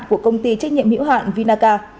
của công ty trách nhiệm hữu hạn vinaca